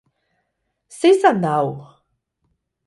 Zer izan da hau!